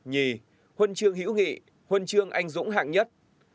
huân trường hữu nghị huân trường anh dũng hạng nhất